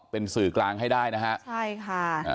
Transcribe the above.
เป็นสื่อกลางให้ได้นะฮะใช่ค่ะ